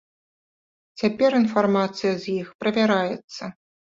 Цяпер інфармацыя з іх правяраецца.